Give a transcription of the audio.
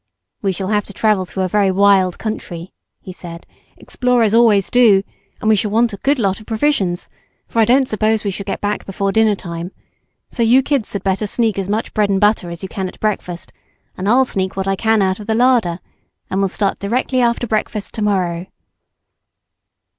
"We shall have to travel through a very wild country," he said, "explorers always do and we shall want a good lot of provisions, for I don't suppose we shall get back before dinner time, so you kids had better sneak as much bread and butter as you can at breakfast, and I'll sneak what I can out of the larder, and we'll start directly after breakfast to morrow."